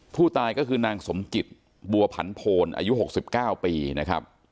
ผู้ตายก็คือนางสมจิตบัวผันโพนอายุ๖๙ปีนะครับ